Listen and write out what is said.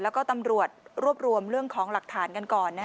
แล้วก็ตำรวจรวบรวมเรื่องของหลักฐานกันก่อน